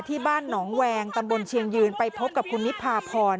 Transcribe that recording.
ที่บ้านหนองแวงตำบลเชียงยืนไปพบกับคุณนิพาพร